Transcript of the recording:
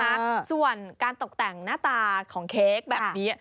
ส่วนการตกแต่งหน้าตาของเค้กแบบนี้